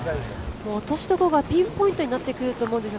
落としどころがピンポイントになってくると思うんです。